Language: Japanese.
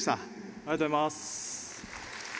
ありがとうございます。